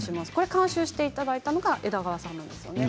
監修していただいたのが枝川さんですね。